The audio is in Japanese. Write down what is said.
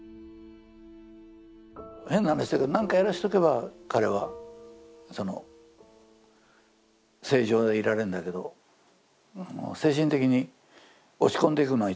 変な話だけど何かやらせとけば彼はその正常でいられんだけど精神的に落ち込んでいくのが一番怖かったんで。